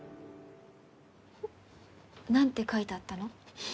何て書いてあったの？